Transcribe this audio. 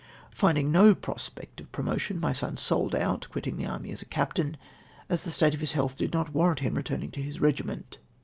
Finding no prospect of promotion, my son sold out, quittino the army as a ca^stain, as the state of his health did not warrant him in returning to his regiment.